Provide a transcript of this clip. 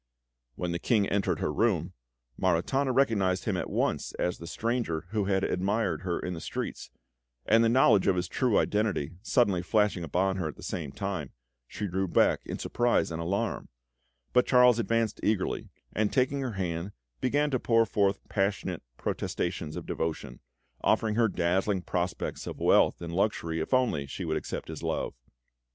When the King entered her room, Maritana recognised him at once as the stranger who had admired her in the streets, and the knowledge of his true identity suddenly flashing upon her at the same time, she drew back in surprise and alarm; but Charles advanced eagerly, and taking her hand, began to pour forth passionate protestations of devotion, offering her dazzling prospects of wealth and luxury if only she would accept his love.